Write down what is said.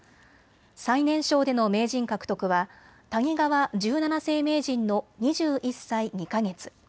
最年少での名人獲得は谷川十七世名人の２１歳２か月。